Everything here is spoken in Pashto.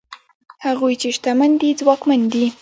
هغوی چې شتمن دي ځواکمن دي؛